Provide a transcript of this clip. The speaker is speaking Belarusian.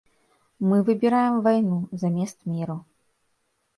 Мы выбіраем вайну замест міру.